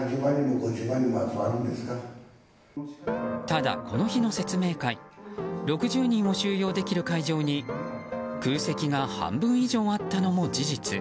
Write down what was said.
ただ、この日の説明会６０人を収容できる会場に空席が半分以上あったのも事実。